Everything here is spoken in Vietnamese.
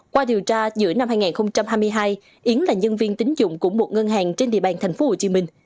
qua điều tra giữa năm hai nghìn hai mươi hai yến là nhân viên tính dụng của một ngân hàng trên địa bàn tp hcm